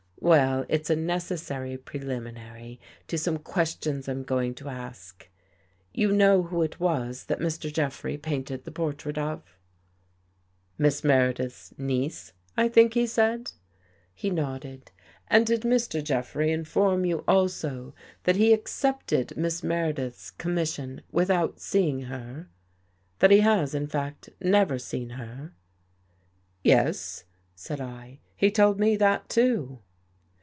" Well, it's a necessary preliminary to some questions I'm going to ask. You know who it was that Mr. Jeffrey painted the portrait of? " 55 THE GHOST GIRL " Miss Meredith's niece, I think he said." He nodded. " And did Mr. Jeffrey inform you also that he accepted Miss Meredith's commission without seeing her — that he has, in fact, never seen her?" " Yes," said 1. " He told me that too."